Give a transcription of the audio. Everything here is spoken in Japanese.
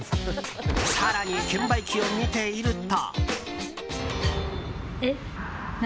更に券売機を見ていると。